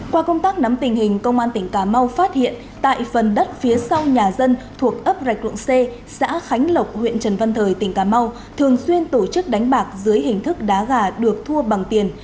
qua công tác nắm tình hình công an tỉnh cà mau phát hiện tại phần đất phía sau nhà dân thuộc ấp rạch lưng c xã khánh lộc huyện trần văn thời tỉnh cà mau thường xuyên tổ chức đánh bạc dưới hình thức đá gà được thua bằng tiền